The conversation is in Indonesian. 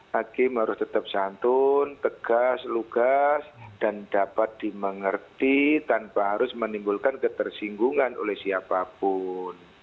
hakim harus tetap santun tegas lugas dan dapat dimengerti tanpa harus menimbulkan ketersinggungan oleh siapapun